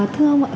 thưa ông ạ